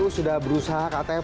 kpu sudah berusaha katanya pak